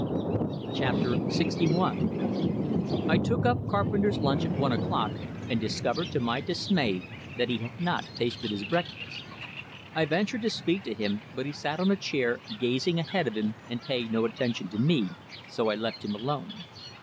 IX I took up Carpenter's lunch at one o'clock, and discovered, to my dismay, that he had not tasted his breakfast. I ventured to speak to him; but he sat on a chair, gazing ahead of him and paying no attention to me, so I left him alone.